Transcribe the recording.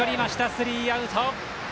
スリーアウト。